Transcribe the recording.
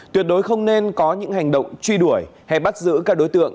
tuyệt đối không nên có những hành động truy đuổi hay bắt giữ các đối tượng